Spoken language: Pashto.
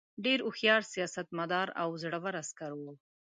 ډېر هوښیار سیاستمدار او زړه ور عسکر وو.